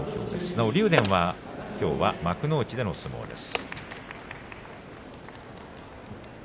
なお竜電はきょうは幕内での相撲です。